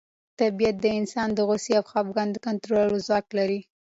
طبیعت د انسان د غوسې او خپګان د کنټرولولو ځواک لري.